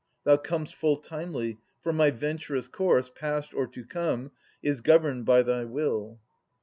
Thou com'st full timely. For my venturous course. Past or to come, is governed by thy will.